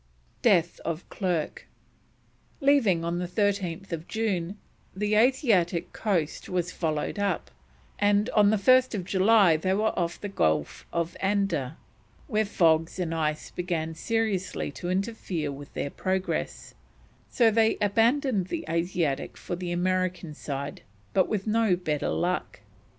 DEATH OF CLERKE. Leaving on 13th June, the Asiatic coast was followed up, and 1st July they were off the Gulf of Anadyr, where fogs and ice began seriously to interfere with their progress, so they abandoned the Asiatic for the American side, but with no better luck.